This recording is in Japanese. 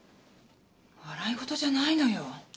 笑い事じゃないのよ。